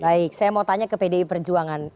baik saya mau tanya ke pdi perjuangan